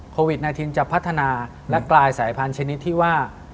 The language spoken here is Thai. โควิด๑๙จะพัฒนาและกลายสายพันธนิดที่ว่า